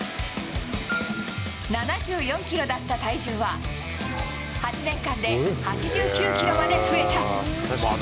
７４キロだった体重は、８年間で８９キロまで増えた。